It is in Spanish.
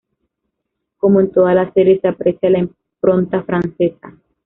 Como en toda la serie, se aprecia la impronta francesa.